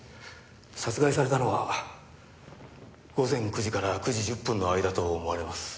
殺害されたのは午前９時から９時１０分の間と思われます。